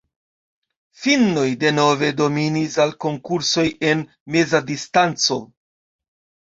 Finnoj denove dominis al konkursoj en meza distanco.